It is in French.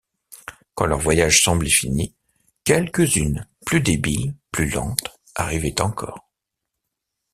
Quand leur voyage semblait fini, quelques-unes, plus débiles, plus lentes, arrivaient encore.